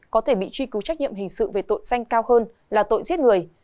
có thể bị truy cứu trách nhiệm hình sự về tội danh cao hơn là tội giết người